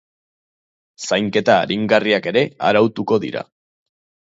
Zainketa aringarriak ere arautuko dira.